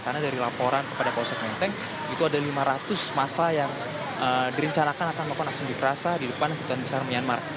karena dari laporan kepada polsek menteng itu ada lima ratus masa yang direncanakan akan lakukan aksi kekerasan di depan kedudukan besar myanmar